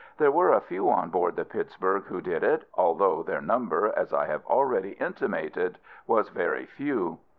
There were a few on board the Pittsburg who did it, although their number, as I have already intimated, was very few.